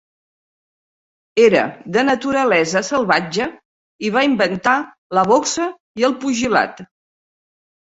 Era de naturalesa salvatge i va inventar la boxa i el pugilat.